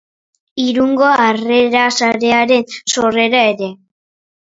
Irungo Harrera Sarearen sorrera ere.